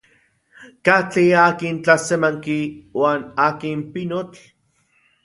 ¿Katli akin tlasemanki uan akin pinotl?